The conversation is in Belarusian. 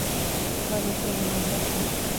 Мы з вамі кроўныя браты.